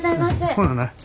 ほなな。